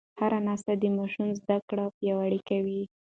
هره ناسته د ماشوم زده کړه پیاوړې کوي.